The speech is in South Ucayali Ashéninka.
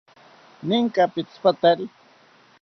Ninka pitzipatari?